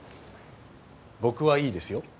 僕はいいですよ？